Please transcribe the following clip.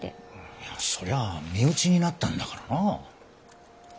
いやそりゃあ身内になったんだからなあ。